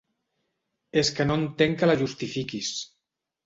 És que no entenc que la justifiquis.